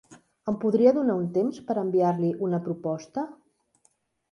Em podria donar un temps per enviar-li una proposta?